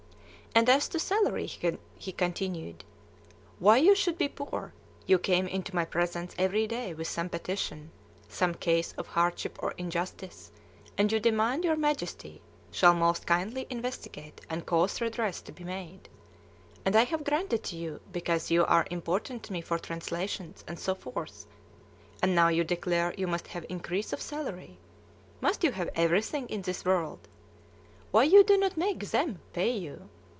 And as to salary, he continued: "Why you should be poor? You come into my presence every day with some petition, some case of hardship or injustice, and you demand 'your Majesty shall most kindly investigate, and cause redress to be made'; and I have granted to you because you are important to me for translations, and so forth. And now you declare you must have increase of salary! Must you have everything in this world? Why you do not make them pay you?